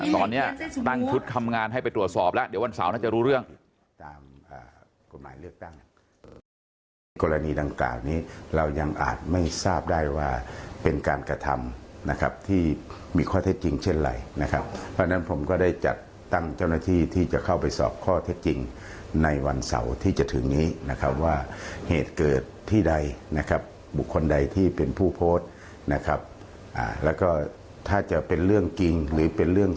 ตอนนี้ตั้งชุดทำงานให้ไปตรวจสอบแล้วเดี๋ยววันเสาร์น่าจะรู้เรื่อง